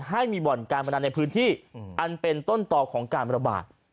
ให้มีบ่อนการพนันในพื้นที่อันเป็นต้นต่อของการระบาด